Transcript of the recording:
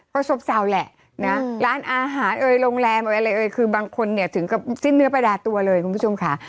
ว่าสมเสาแหละนะร้านอาหารโรงแรมอะไรคือบางคนถึงที่สิ้นเนื้อประดาษตัวเลยคุณผู้ชมค่ะ